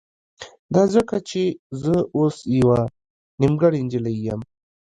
دا ځکه چې زه اوس يوه نيمګړې نجلۍ يم.